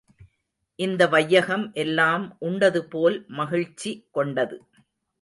இந்த வையகம் எல்லாம் உண்டது போல் மகிழ்ச்சி கொண்டது.